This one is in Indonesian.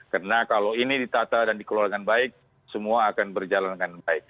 karena kalau ini ditata dan dikeluarkan baik semua akan berjalan dengan baik